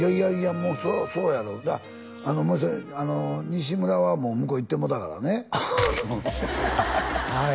もうそうやろうもう一人西村はもう向こうへ行ってもうたからねはい